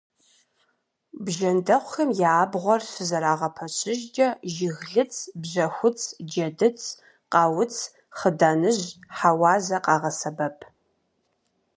Бжэндэхъухэм я абгъуэр щызэрагъэпэщыжкӀэ жыглыц, бжьэхуц, джэдыц, къауц, хъыданыжь, хьэуазэ къагъэсэбэп.